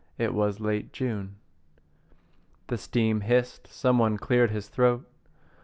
It was late June. The steam hissed. Someone cleared his throat.